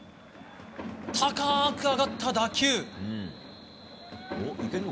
高く上がった打球。